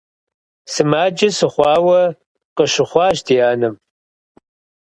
Сымаджэ сыхъуауэ къыщыхъуащ ди анэм.